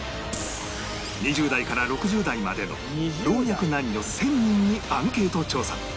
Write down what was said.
２０代から６０代までの老若男女１０００人にアンケート調査